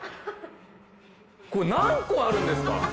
これ何個あるんですか？